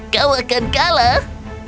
kau akan kalah